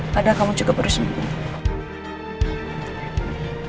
padahal kamu juga baru sembuh